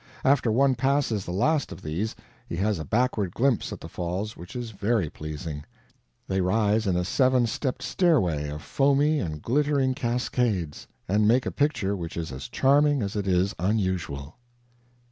After one passes the last of these he has a backward glimpse at the falls which is very pleasing they rise in a seven stepped stairway of foamy and glittering cascades, and make a picture which is as charming as it is unusual.